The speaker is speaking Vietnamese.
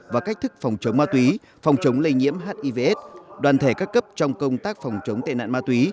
và cách thức phòng chống ma túy phòng chống lây nhiễm hivs đoàn thể các cấp trong công tác phòng chống tệ nạn ma túy